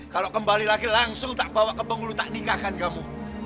kalau kembali lagi langsung tak bawa ke penghulu tak nikahkan kamu